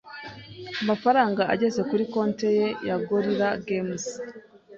amafaranga ageze kuri konti ye ya Gorilla Games